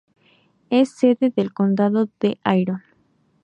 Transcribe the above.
Es sede del condado de Iron.